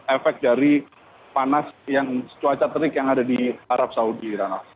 efek dari panas cuaca terik yang ada di arab saudi